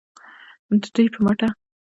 د دوی په مټه